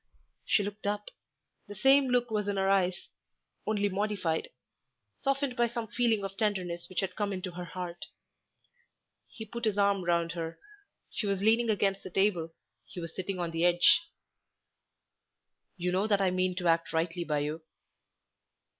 She looked up; the same look was in her eyes, only modified, softened by some feeling of tenderness which had come into her heart. He put his arm round her; she was leaning against the table; he was sitting on the edge. "You know that I mean to act rightly by you."